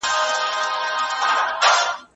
سازمانونه به نړیوالي اړیکي پیاوړي کړي.